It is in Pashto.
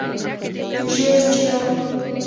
ژیړ څراغ: